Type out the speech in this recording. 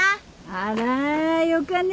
あらよかね。